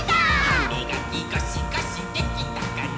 「はみがきゴシゴシできたかな？」